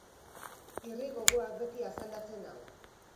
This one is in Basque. Irri gogoak beti asaldatzen nau.